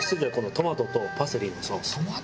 トマトとパセリ？